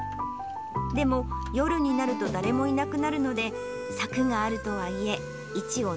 でも、夜になると誰もいなくなるので、柵があるとはいえ、イチを